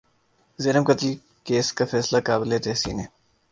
زینب قتل کیس کا فیصلہ قابل تحسین ہے۔